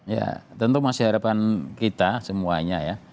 ya tentu masih harapan kita semuanya ya